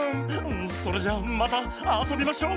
それじゃまたあそびましょ。